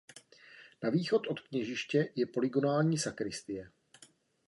Na východ od kněžiště je polygonální sakristie.